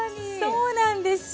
そうなんですよ。